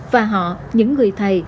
và họ những người thầy